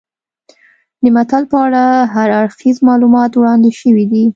د متل په اړه هر اړخیز معلومات وړاندې شوي دي